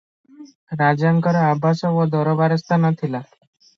ରାଜାଙ୍କର ଆବାସ ଓ ଦରବାରସ୍ଥାନ ଥିଲା ।